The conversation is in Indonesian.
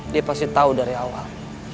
dia pasti tahu dari awal